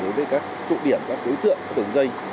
đối với các tụ điểm các đối tượng các đường dây